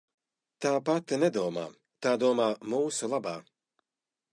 Tā pati nedomā, tā domā mūsu labā.